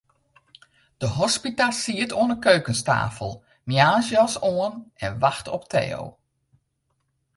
De hospita siet oan 'e keukenstafel, moarnsjas oan, en wachte op Theo.